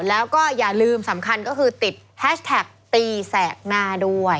แล้วก็อย่าลืมสำคัญก็คือติดแฮชแท็กตีแสกหน้าด้วย